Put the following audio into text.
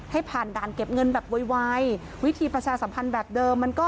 ให้ผ่านด่านเก็บเงินแบบไววิธีประชาสัมพันธ์แบบเดิมมันก็